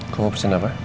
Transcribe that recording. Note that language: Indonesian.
kau mau pesen apa